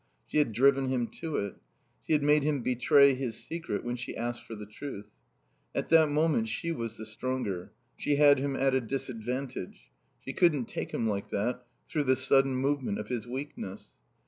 She had driven him to it. She had made him betray his secret when she asked for the truth. At that moment she was the stronger; she had him at a disadvantage. She couldn't take him like that, through the sudden movement of his weakness.